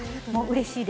うれしい。